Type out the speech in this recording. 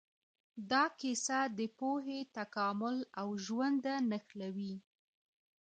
دا کیسه د پوهې، تکامل او ژونده نښلوي.